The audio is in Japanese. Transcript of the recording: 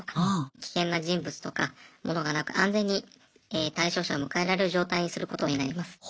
危険な人物とか物がなく安全に対象者を迎えられる状態にすることになります。